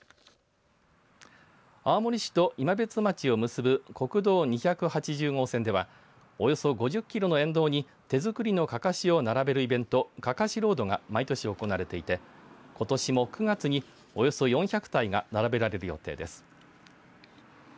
青森市と今別町を結ぶ国道２８０号線ではおよそ５０キロの沿道に手作りのかかしを並べるイベントかかしロードが毎年行われていてことしも９月におよそ４００体が並べられる予定です。